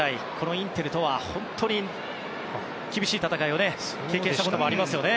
インテルとは本当に厳しい戦いを経験したことありますよね。